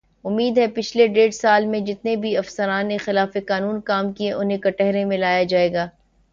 امید ہے پچھلے ڈیڑھ سال میں جتنے بھی افسران نے خلاف قانون کام کیے انہیں کٹہرے میں لایا جائے گا